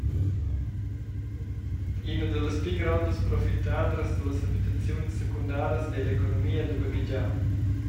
Ins dallas pli grondas profitadras dallas habitaziuns secundaras ei l’economia da baghegiar.